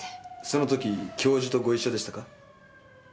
その時教授とご一緒でしたか？